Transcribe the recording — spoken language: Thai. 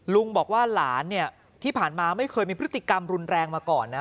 ลุงบอกว่าหลานเนี่ยที่ผ่านมาไม่เคยมีพฤติกรรมรุนแรงมาก่อนนะ